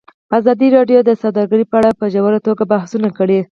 ازادي راډیو د سوداګري په اړه په ژوره توګه بحثونه کړي.